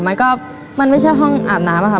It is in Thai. มันก็มันไม่ใช่ห้องอาบน้ำอะค่ะ